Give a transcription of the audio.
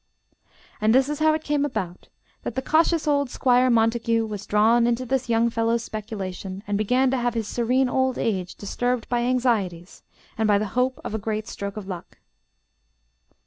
And this is how it came about that the cautious old Squire Montague was drawn into this young fellow's speculation, and began to have his serene old age disturbed by anxieties and by the hope of a great stroke of luck.